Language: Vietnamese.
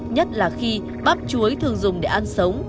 nhất là khi bắp chuối thường dùng để ăn sống